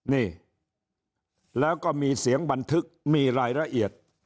นี่แล้วก็มีเสียงบันทึกมีรายละเอียด